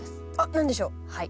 何でしょう？